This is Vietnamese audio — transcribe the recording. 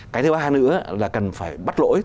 cái thứ ba nữa là cần phải bắt lỗi